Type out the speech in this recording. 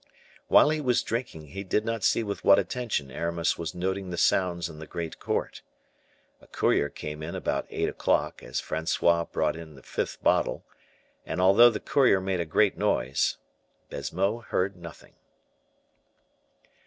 While he was drinking he did not see with what attention Aramis was noting the sounds in the great court. A courier came in about eight o'clock as Francois brought in the fifth bottle, and, although the courier made a great noise, Baisemeaux heard nothing.